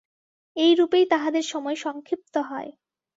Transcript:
এইরূপেই তাঁহাদের সময় সংক্ষিপ্ত হয়।